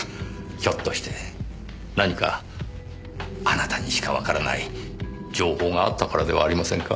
ひょっとして何かあなたにしかわからない情報があったからではありませんか？